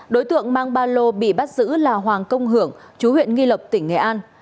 đối tượng mang ba lô bị bắt giữ là hoàng công hưởng chú huyện nghi lộc tỉnh nghệ an